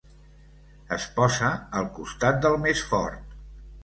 Es posa al costat del més fort.